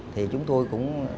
thì chúng tôi cũng